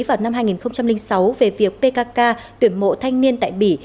vào năm hai nghìn sáu về việc pkk tuyển mộ thanh niên tại bỉ